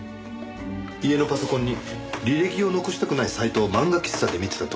家のパソコンに履歴を残したくないサイトを漫画喫茶で見てたとか。